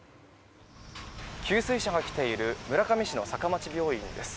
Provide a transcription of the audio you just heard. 給水車が来ている村上市の坂町病院です。